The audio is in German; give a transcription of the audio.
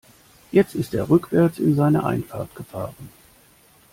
Jetzt ist er rückwärts in seine Einfahrt gefahren.